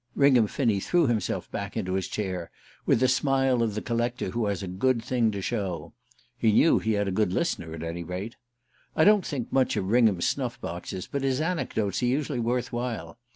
Ringham Finney threw himself back into his chair with the smile of the collector who has a good thing to show. He knew he had a good listener, at any rate. I don't think much of Ringham's snuff boxes, but his anecdotes are usually worth while.